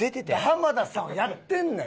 浜田さんはやってんねん。